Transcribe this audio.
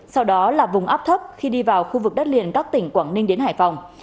sau đó là vùng áp thấp khi đi vào khu vực đất liền các tỉnh quảng ninh đến hải phòng